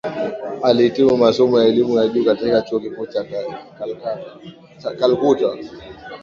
Alihitimu masomo ya elimu ya juu katika Chuo Kikuu cha Calcutta